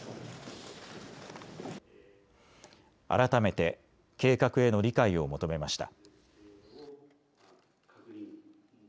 改めて計画への理解を求めました。